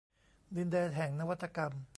ดินแดนแห่งนวัตกรรม